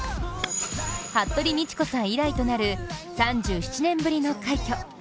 服部道子さん以来となる３７年ぶりの快挙。